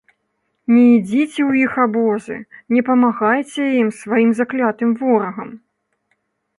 Не ідзіце ў іх абозы, не памагайце ім, сваім заклятым ворагам!